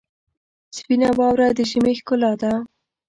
سپینه واوره د ژمي ښکلا ده.